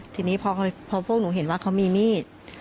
ทีนี้พอพวกหนูเห็นว่าเขามีมีด